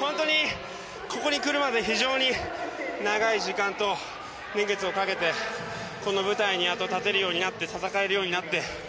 本当にここに来るまで非常に長い時間と年月をかけて、この舞台にやっと立てるようになって戦えるようになって。